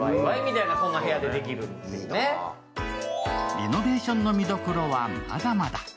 リノベーションの見どころはまだまだ。